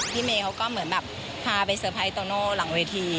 เมย์เขาก็เหมือนแบบพาไปเซอร์ไพรส์โตโน่หลังเวที